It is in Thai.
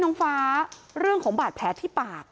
น้องฟ้าเรื่องของบาดแผลที่ปาก